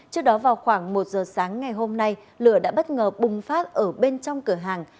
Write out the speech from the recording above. trước đó vào khoảng một giờ sáng ngày hôm nay lửa đã bất ngờ bùng phát ở bên trong cửa hàng